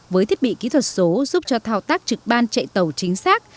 với thiết bị kỹ thuật số giúp cho thao tác trực ban chạy tàu chính xác